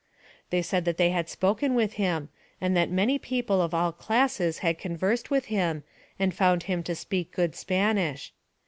They said that they had spoken with him, and that many people of all classes had conversed with him, and found him to speak good Spanish.